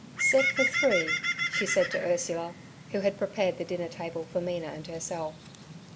'Set for three' she said to Ursula, who had prepared the dinner table for Mina and herself.